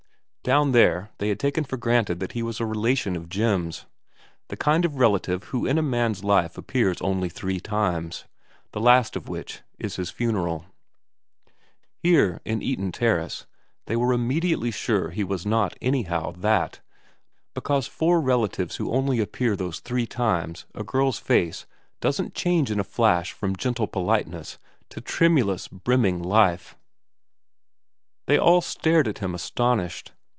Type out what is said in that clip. Down there they had taken for granted that he was a relation of Jim's, the kind of relative who in a man's life appears only three times, the last of which is his funeral ; here in Eaton Terrace they were immediately sure he was not, anyhow, that, because for relatives who only appear those three times a girl's face doesn't change in a flash from gentle politeness to tremulous, Brining life. They all stared at him astonished.